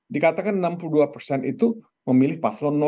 dikatakan enam puluh dua persen itu memilih paslon satu